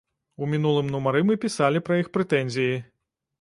У мінулым нумары мы пісалі пра іх прэтэнзіі.